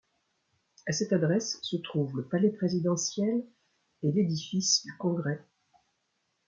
À cette adresse se trouvent le palais présidentiel et l'édifice du congrès.